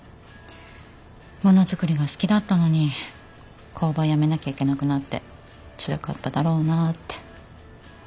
ものづくりが好きだったのに工場やめなきゃいけなくなってつらかっただろうなって。